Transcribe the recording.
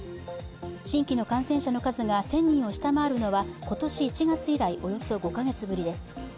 新規の感染者の数が１０００人を下回るのは今年１月以来およそ５カ月ぶりです。